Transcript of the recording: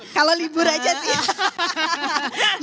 kalau libur aja sih